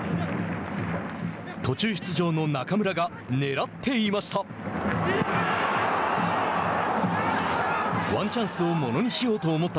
途中出場の中村がねらっていました。